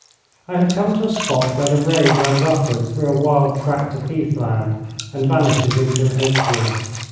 I had come to a spot where the road runs upwards through a wild tract of heath land and vanishes into an oak wood.